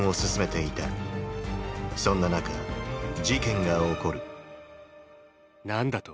そんな中事件が起こる何だと？